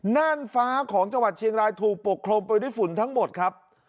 น่านฟ้าของจังหวัดเชียงรายถูกปกคลุมไปด้วยฝุ่นทั้งหมดครับ